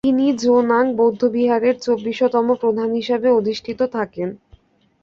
তিনি জো-নাং বৌদ্ধবিহারের চব্বিশতম প্রধান হিসেবে অধিষ্ঠিত থাকেন।